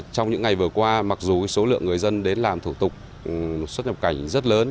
trong những ngày vừa qua mặc dù số lượng người dân đến làm thủ tục xuất nhập cảnh rất lớn